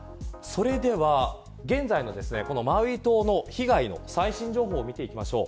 それでは、現在のマウイ島の被害の最新情報を見ていきましょう。